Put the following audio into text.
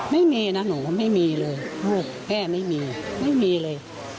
ไม่มีนะหนูไม่มีเลยลูกแม่ไม่มีไม่มีเลย